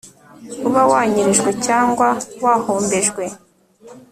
uba wanyerejwe cyangwa wahombejwe